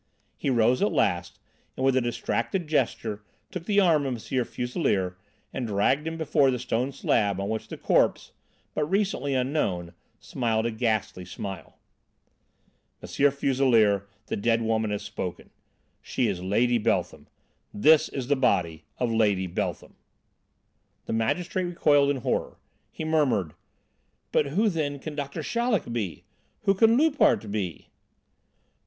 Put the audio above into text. He rose at last, and with a distracted gesture took the arm of M. Fuselier, and dragged him before the stone slab on which the corpse, but recently unknown, smiled a ghastly smile. "M. Fuselier, the dead woman has spoken. She is Lady Beltham. This is the body of Lady Beltham!" The magistrate recoiled in horror. He murmured: "But who then can Doctor Chaleck be? Who can Loupart be?"